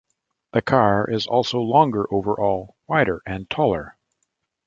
The car is also longer overall, wider and taller.